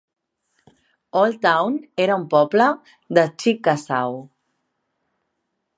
Old Town era un poble de Chickasaw.